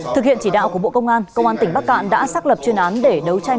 thực hiện chỉ đạo của bộ công an công an tỉnh bắc cạn đã xác lập chuyên án để đấu tranh